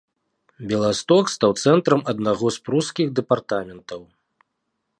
Беласток стаў цэнтрам аднаго з прускіх дэпартаментаў.